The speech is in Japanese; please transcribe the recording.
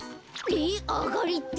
えっあがりって？